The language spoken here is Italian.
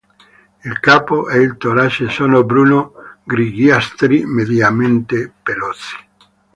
Il capo e il torace sono bruno-grigiastri, mediamente pelosi.